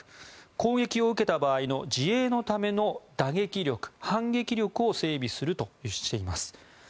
攻撃を受けた場合の自衛のための打撃力反撃力を整備するとしています。